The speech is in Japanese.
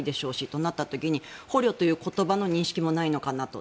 そうなった時に捕虜という言葉の認識もないのかなと。